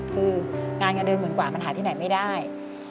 คืองานเงินเดือนหมื่นกว่ามันหาที่ไหนไม่ได้